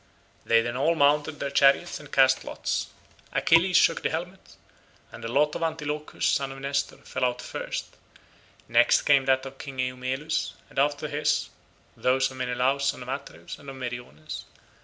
They then all mounted their chariots and cast lots. Achilles shook the helmet, and the lot of Antilochus son of Nestor fell out first; next came that of King Eumelus, and after his, those of Menelaus son of Atreus and of Meriones.